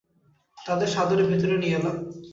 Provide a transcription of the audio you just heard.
তাদের সাদরে ভেতরে নিয়ে এলাম।